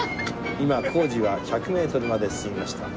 今工事は１００メートルまで進みました。